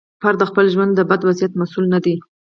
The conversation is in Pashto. فرد د خپل ژوند د بد وضعیت مسوول نه دی.